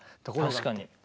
確かに。